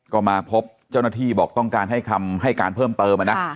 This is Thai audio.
ก็มาพบเจ้าหน้าที่บอกต้องการให้คำให้การเพิ่มเติมนะ